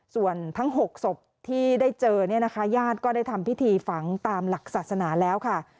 ส่วนทั้ง๖ศพที่ได้เจอเนี่ยนะคะญาติก็ได้ทำพิธีฝังตามหลักศาสนาแล้วค่ะ